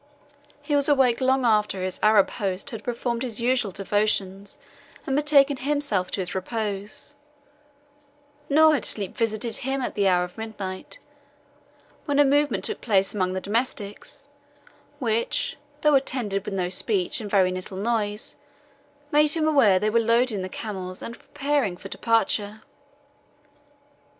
He was awake long after his Arab host had performed his usual devotions and betaken himself to his repose; nor had sleep visited him at the hour of midnight, when a movement took place among the domestics, which, though attended with no speech, and very little noise, made him aware they were loading the camels and preparing for departure.